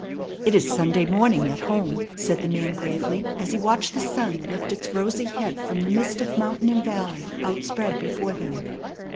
"It is Sunday morning at home," said the man gravely as he watched the sun lift its rosy head from the mist of mountain and valley outspread before them.